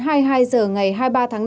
hai mươi hai h ngày hai mươi ba tháng năm